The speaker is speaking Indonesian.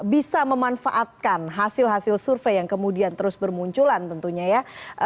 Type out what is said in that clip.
bisa memanfaatkan hasil hasil survei yang kemudian terus bermunculan tentunya ya